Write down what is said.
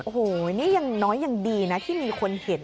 โอ้โหนี่ยังน้อยยังดีนะที่มีคนเห็น